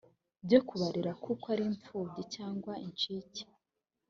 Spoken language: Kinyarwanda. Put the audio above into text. byo kubarera kuko ari imfubyi cyangwa incike